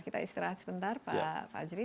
kita istirahat sebentar pak fajri